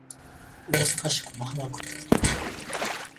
大阪市此花区